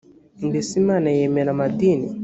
mbese imana yemera amadini